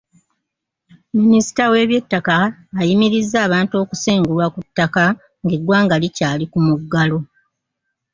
Minisita w'ebyettaka ayimirizza abantu okusengulwa ku ttaka ng'eggwanga likyali ku muggalo.